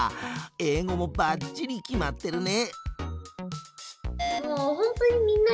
英語もばっちりきまってるね！